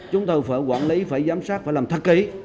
chúng tôi phải quản lý phải giám sát phải làm thật kỹ